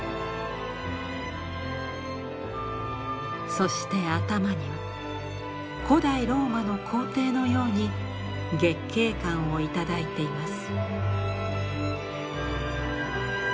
そして頭には古代ローマの皇帝のように月桂冠を頂いています。